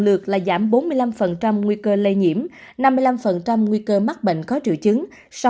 lược là giảm bốn mươi năm nguy cơ lây nhiễm năm mươi năm nguy cơ mắc bệnh có triệu chứng sau